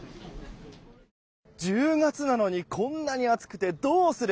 １０月なのにこんなに暑くてどうする？